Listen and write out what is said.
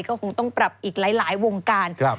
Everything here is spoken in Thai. ก็คงต้องปรับอีกหลายวงการ